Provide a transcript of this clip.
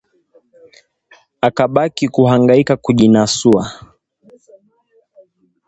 Akabaki kuhangaika kujinasua